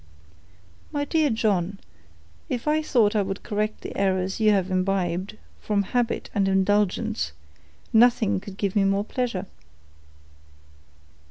"My dear John, if I thought it would correct the errors you have imbibed, from habit and indulgence, nothing could give me more pleasure."